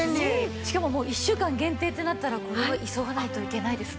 しかも１週間限定ってなったらこれは急がないといけないですね。